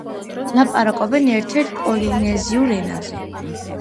ლაპარაკობენ ერთ-ერთ პოლინეზიურ ენაზე.